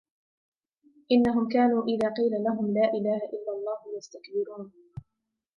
إِنَّهُمْ كَانُوا إِذَا قِيلَ لَهُمْ لَا إِلَهَ إِلَّا اللَّهُ يَسْتَكْبِرُونَ